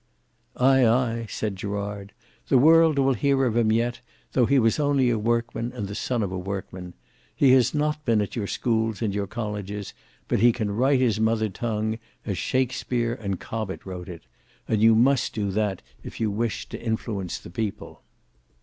"Ay, ay," said Gerard, "the world will hear of him yet, though he was only a workman, and the son of a workman. He has not been at your schools and your colleges, but he can write his mother tongue, as Shakespeare and Cobbett wrote it; and you must do that, if you wish to influence the people."